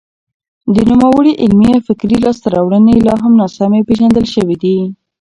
د نوموړي علمي او فکري لاسته راوړنې لا هم ناسمې پېژندل شوې دي.